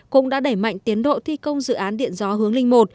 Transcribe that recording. cũng đã đẩy mạnh tiến độ thi công dự án điện gió hướng linh một